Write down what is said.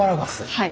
はい。